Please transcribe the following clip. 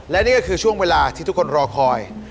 และนี่ก็คือช่วงเวลาที่ทุกคนรอคอย